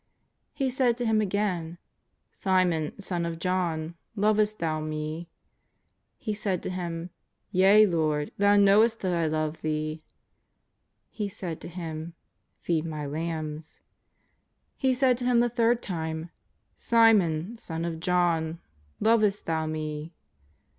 He said to him again :" Simon, son of John, lovest thou Me ?" He said to Him :" Yea, Lord, Thou knowest that I love Thee.'' He said to him :'* Feed My lambs." He said to him the third time ;" Simon, son of John, lovest thou Me?"